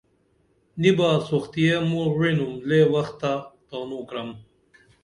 نی با سُختِیہ موں وعِنُم لے وختہ تانوں کرم